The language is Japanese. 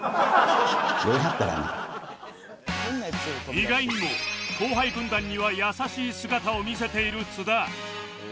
意外にも後輩軍団には優しい姿を見せている津田